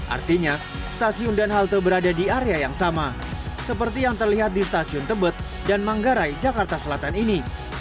artinya stasiun dan halte berada di area yang sama seperti yang terlihat di stasiun tebet dan manggarai jakarta selatan ini